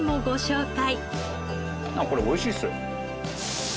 あっこれおいしいっす。